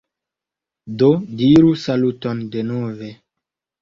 Do diru saluton denove